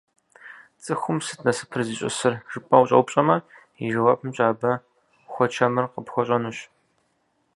Цӏыхум «сыт насыпыр зищӏысыр?» жыпӏэрэ ущӏэупщӏэмэ, и жэуапымкӏэ абы хуэчэмыр къыпхуэщӏэнущ.